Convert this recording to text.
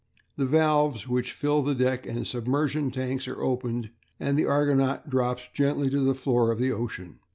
The valves which fill the deck and submersion tanks are opened, and the Argonaut drops gently to the floor of the ocean.